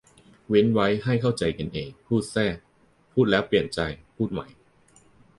เว้นไว้ให้เข้าใจกันเอง พูดแทรก พูดแล้วเปลี่ยนใจ พูดใหม่